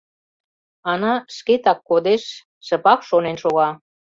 Ана шкетак кодеш, шыпак шонен шога.